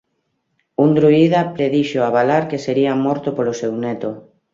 Un druída predixo a Balar que sería morto polo seu neto.